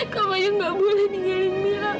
kak fadil nggak boleh ninggalin mila kak